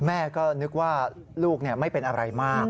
แม่ก็นึกว่าลูกไม่เป็นอะไรมาก